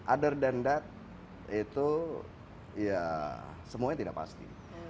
other than that itu ya semuanya tidak pasti